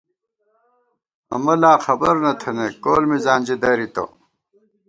امہ لا خبر نہ تھنئیک ، کول مِزان ژی درِتہ